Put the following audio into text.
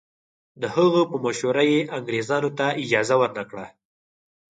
د هغه په مشوره یې انګریزانو ته اجازه ورنه کړه.